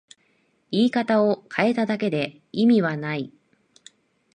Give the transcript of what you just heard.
言い方を変えただけで意味はない